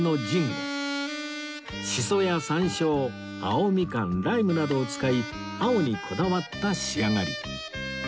シソや山椒青みかんライムなどを使い「青」にこだわった仕上がり